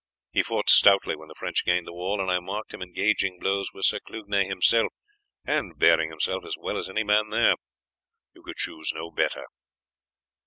He fought stoutly when the French gained the wall, and I marked him exchanging blows with Sir Clugnet himself, and bearing himself as well as any man there. You could choose no better."